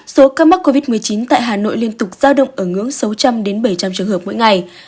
số ca mắc covid một mươi chín tại hà nội liên tục giao động ở ngưỡng sáu trăm linh bảy trăm linh trường hợp mỗi ngày